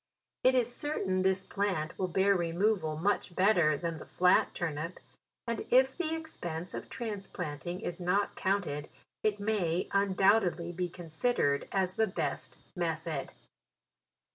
It is certain this plant will bear re moval much better than the flat turnip, and if the expense of transplanting is not counted, it may undoubtedly be considered as the best method.